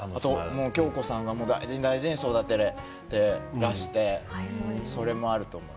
京子さんが大事に育てていてそれもあると思います。